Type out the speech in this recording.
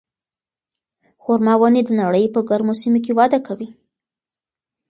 خورما ونې د نړۍ په ګرمو سیمو کې وده کوي.